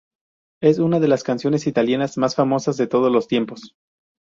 Es una de las canciones italianas más famosas de todos los tiempos.